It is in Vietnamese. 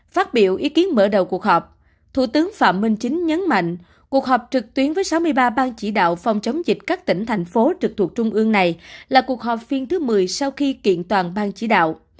phát biểu ý kiến mở đầu cuộc họp thủ tướng phạm minh chính nhấn mạnh cuộc họp trực tuyến với sáu mươi ba bang chỉ đạo phòng chống dịch các tỉnh thành phố trực thuộc trung ương này là cuộc họp phiên thứ một mươi sau khi kiện toàn bang chỉ đạo